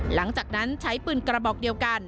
หลังจากนั้นใช้ปืนกระบอกเดียวกัน